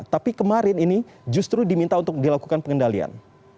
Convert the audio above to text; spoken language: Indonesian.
tapi kemarin ini justru diminta untuk dilakukan pengendalian